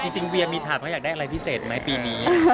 เวียมีถาดว่าอยากได้อะไรพิเศษไหมปีนี้